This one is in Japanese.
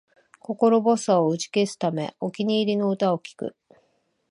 心細さを打ち消すため、お気に入りの歌を聴く